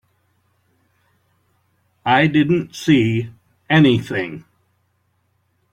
I didn't see anything.